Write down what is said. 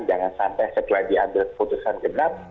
jangan sampai setelah diambil keputusan genap